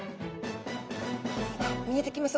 見えてきました。